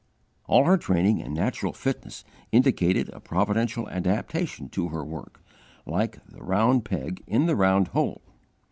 All her training and natural fitness indicated a providential adaptation to her work, like "the round peg in the round hole."